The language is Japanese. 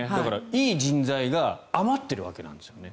いい人材が余っているわけなんですよね。